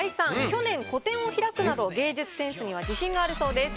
去年個展を開くなど芸術センスには自信があるそうです。